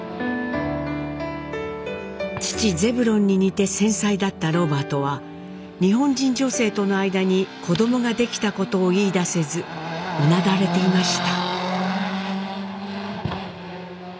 父ゼブロンに似て繊細だったロバートは日本人女性との間に子どもができたことを言いだせずうなだれていました。